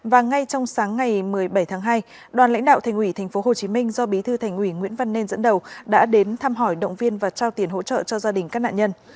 và ngay trong sáng ngày một mươi bảy tháng hai đoàn lãnh đạo thành ủy tp hcm do bí thư thành ủy nguyễn văn nên dẫn đầu đã đến thăm hỏi động viên và trao tiền hỗ trợ cho gia đình các nạn nhân